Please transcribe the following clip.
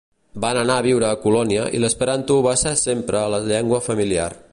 Van anar a viure a Colònia i l'esperanto va ser sempre la llengua familiar.